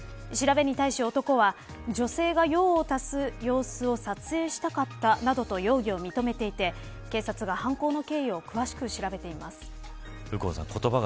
調べに対し男は女性が用をたす様子を撮影したかったなどと容疑を認めていて警察が犯行の経緯を詳しく調べています。